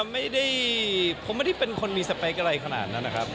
ไม่ได้ผมไม่ได้เป็นคนมีสเปคอะไรขนาดนั้นนะครับ